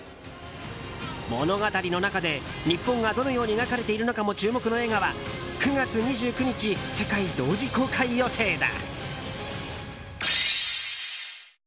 物語の中で日本がどのように描かれているのかも注目の映画は９月２９日、世界同時公開予定だ。